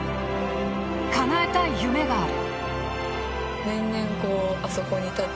かなえたい夢がある。